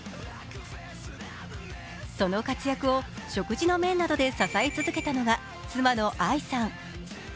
その活躍を食事の面などで支え続けたのが妻の愛さん。